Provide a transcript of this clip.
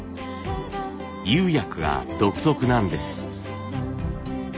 釉薬が独特なんです。